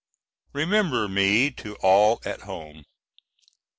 Remember me to all at home.